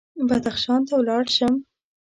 بدخشان ته ولاړ شم.